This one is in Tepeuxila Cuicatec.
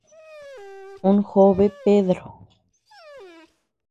Ún jobe Pedro.